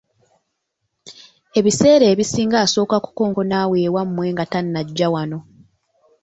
Ebiseera ebisinga asooka kukonkona awo ewammwe nga tanajja wano.